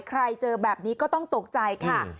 เจอแบบนี้ก็ต้องตกใจค่ะ